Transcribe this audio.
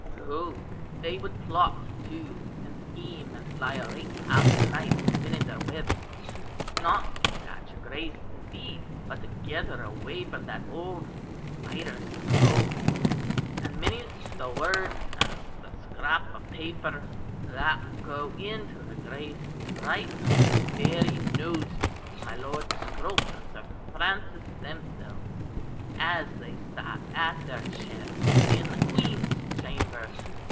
Oh! they would plot too, and scheme and lie awake half the night spinning their webs, not to catch her Grace indeed, but to get her away from that old Spider Scrope; and many's the word and the scrap of paper that would go in to her Grace, right under the very noses of my Lord Scrope and Sir Francis themselves, as they sat at their chess in the Queen's chamber.